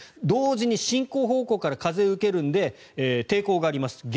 同時に進行方向から風を受けるので抵抗があります。